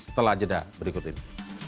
setelah jeda berikut ini